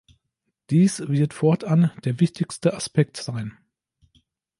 Dies wird fortan der wichtigste Aspekt sein.